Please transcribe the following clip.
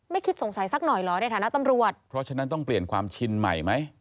คิดสงสัยสักหน่อยเหรอในฐานะตำรวจเพราะฉะนั้นต้องเปลี่ยนความชินใหม่ไหม